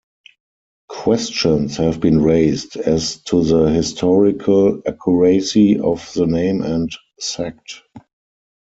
Questions have been raised as to the historical accuracy of the name and sect.